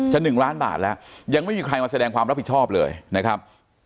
๑ล้านบาทแล้วยังไม่มีใครมาแสดงความรับผิดชอบเลยนะครับ